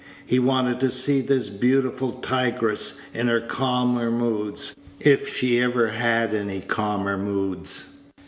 He wanted to see this beautiful tigress in her calmer moods, if she ever had any calmer moods.